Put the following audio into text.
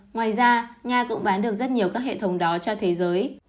ngoài ra nga cũng bán được rất nhiều các hệ thống đó cho thế giới